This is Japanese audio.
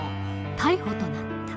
逮捕となった。